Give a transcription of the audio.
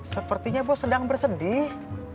sepertinya bos sedang bersedih